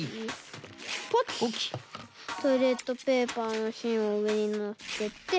トイレットペーパーのしんをうえにのっけて。